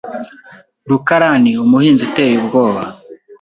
rukarani umuhinzi uteye ubwoba.